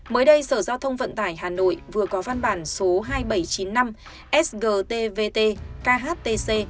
mới đây sở giao thông vận tải hà nội vừa có văn bản số hai nghìn bảy trăm chín mươi năm sgtvt khtc